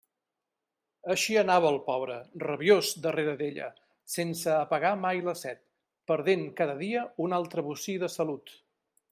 Així anava el pobre, rabiós darrere d'ella, sense apagar mai la set, perdent cada dia un altre bocí de salut.